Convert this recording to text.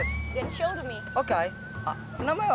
itu benar tidak begitu banyak